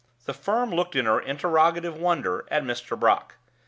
The firm looked in interrogative wonder at Mr. Brock.